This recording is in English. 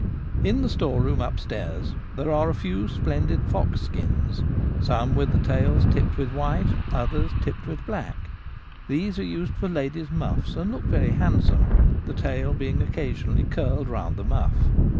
wrm In the store room upstairs there are a few splendid fox skins, some with the tails tipped with white, others tipped with black. These are used for ladies' muffs, and look very handsome ; the tail being occa sionally curled round the muff.